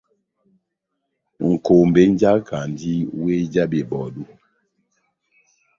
Nʼkombé mújakandi wéh já bebɔdu.